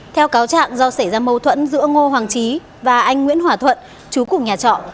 theo cáo trạng do xảy ra mâu thuẫn giữa ngô hoàng trí và anh nguyễn hòa thuận chú cùng nhà trọ